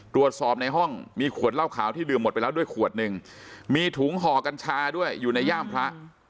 ตรวจสอบในห้องมีขวดเหล้าขาวที่ดื่มหมดไปแล้วด้วยขวดหนึ่งมีถุงห่อกัญชาด้วยอยู่ในย่ามพระ